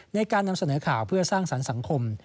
ในการนำเสนอข่าวเพื่อสร้างสรรค์สังคม